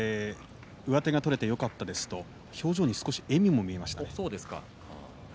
上手が取れてよかったですと表情に少し笑みも見えました。